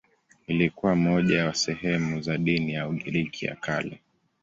Ilikuwa moja ya sehemu za dini ya Ugiriki ya Kale.